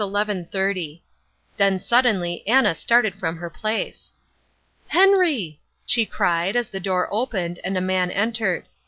30. Then suddenly Anna started from her place. "Henry!" she cried as the door opened and a man entered.